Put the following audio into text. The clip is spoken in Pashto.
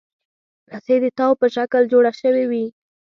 رسۍ د تاو په شکل جوړه شوې وي.